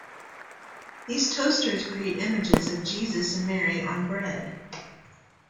These toasters create images of Jesus and Mary on bread.